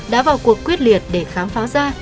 đã vào cuộc quyết liệt để khám phá ra